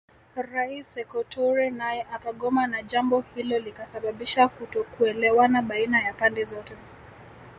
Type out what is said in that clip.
Rais Sekou Toure naye akagoma na jambo hilo likasababisha kutokuelewana baina ya pande zote